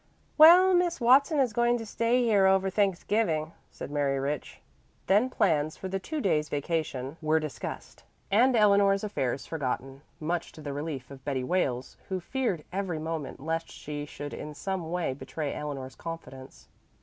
"Well, Miss Watson is going to stay here over Thanksgiving," said Mary Rich. Then plans for the two days' vacation were discussed, and Eleanor's affairs forgotten, much to the relief of Betty Wales, who feared every moment lest she should in some way betray Eleanor's confidence.